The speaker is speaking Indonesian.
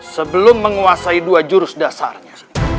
sebelum menguasai dua jurus dasarnya